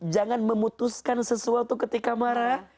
jangan memutuskan sesuatu ketika marah